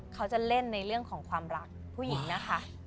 เขาจะเล่นในเรื่องของความรักผู้หญิงนะคะ